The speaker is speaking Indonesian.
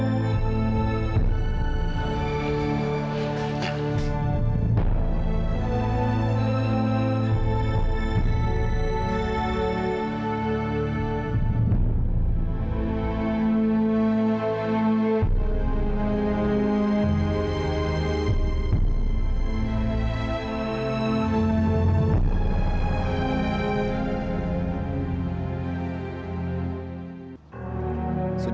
mereka berpikir mudah